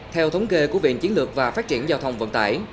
theo thống kê của viện chiến lược và phát triển giao thông vận tải